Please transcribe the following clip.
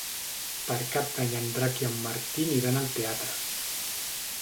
Per Cap d'Any en Drac i en Martí aniran al teatre.